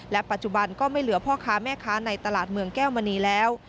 ปัจจุบันก็ไม่เหลือพ่อค้าแม่ค้าในตลาดเมืองแก้วมณีแล้ว